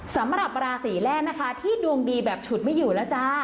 สำหรับราศีแรกนะคะที่ดวงดีแบบฉุดไม่อยู่แล้วจ้า